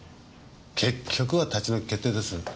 結局は立ち退き決定です。